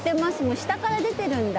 下から出てるんだ。